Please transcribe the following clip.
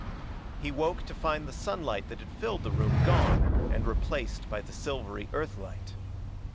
He woke to find the sunlight that had filled the room gone and replaced by the silvery Earth light.